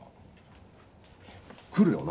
来るよな？